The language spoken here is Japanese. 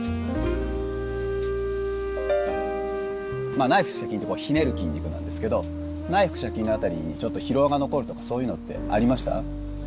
まあ内腹斜筋ってこうひねる筋肉なんですけど内腹斜筋の辺りにちょっと疲労が残るとかそういうのってありました？